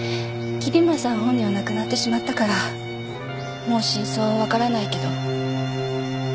桐村さん本人は亡くなってしまったからもう真相は分からないけど。